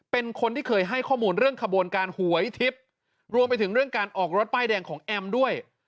เป็นคนที่เคยให้ข้อมูลเรื่องขบวนการหวยทิพย์รวมไปถึงเรื่องการออกรถป้ายแดงของแอมด้วย